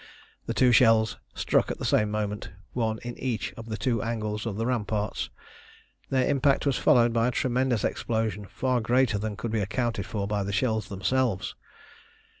The two shells struck at the same moment, one in each of two angles of the ramparts. Their impact was followed by a tremendous explosion, far greater than could be accounted for by the shells themselves.